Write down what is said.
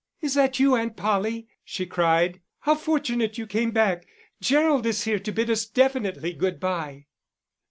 "Is that you, Aunt Polly?" she cried. "How fortunate you came back; Gerald is here to bid us definitely good bye."